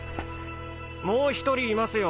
もう１人いますよ。